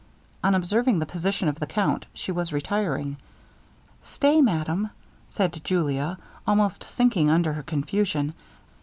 On observing the position of the count she was retiring. 'Stay, madam,' said Julia, almost sinking under her confusion.